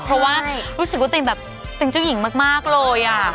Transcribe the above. เพราะว่ารู้สึกว่าติมแบบเป็นเจ้าหญิงมากเลย